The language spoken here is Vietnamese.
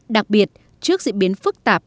đặc biệt trước diễn biến phức tạp